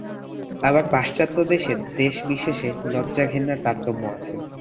আবার এ পাশ্চাত্য দেশে দেশবিশেষে লজ্জাঘেন্নার তারতম্য আছে।